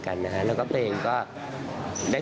นั่งนั่งนั่งนั่งนั่งนั่งนั่งนั่ง